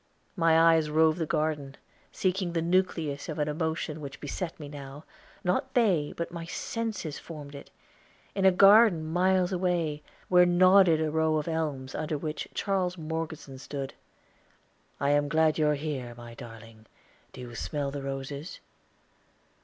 My eyes roved the garden, seeking the nucleus of an emotion which beset me now not they, but my senses, formed it in a garden miles away, where nodded a row of elms, under which Charles Morgeson stood. "_I am glad you're here, my darling, do you smell the roses?